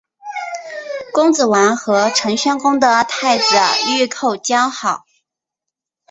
公子完和陈宣公的太子御寇交好。